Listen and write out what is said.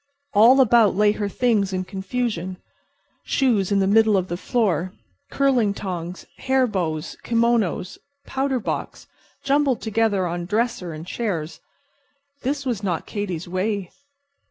All about lay her things in confusion. Shoes in the middle of the floor, curling tongs, hair bows, kimonos, powder box, jumbled together on dresser and chairs—this was not Katy's way.